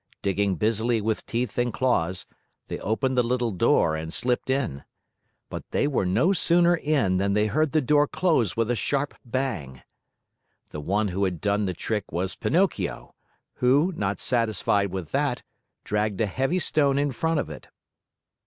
Digging busily with teeth and claws, they opened the little door and slipped in. But they were no sooner in than they heard the door close with a sharp bang. The one who had done the trick was Pinocchio, who, not satisfied with that, dragged a heavy stone in front of it.